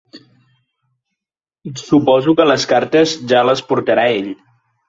Suposo que les cartes ja les portarà ell.